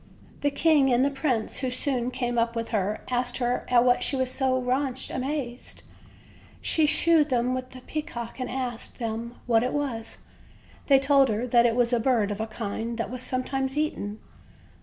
The king and the prince, who soon came up with her, asked her at what she was so raueh amazed; She shewed them the peacock and asked 176 OLD, OLD FAIRY TALES. them what it was. They told her that it was a bird of a kind that was sometimes eaten.